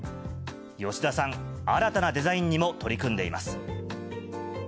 吉田さん、新たなデザインにも取り組んでいます。